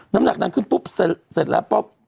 น้ำหนักดังขึ้นปุ๊บเสร็จแล้วปุ๊บ